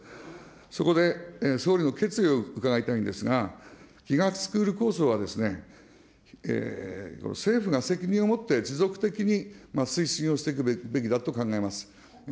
そこで総理の決意を伺いたいんですが、ＧＩＧＡスクール構想は、政府が責任を持って持続的に推進をしていくべきだと考えます。